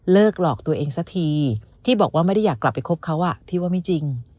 หลอกตัวเองสักทีที่บอกว่าไม่ได้อยากกลับไปคบเขาพี่ว่าไม่จริง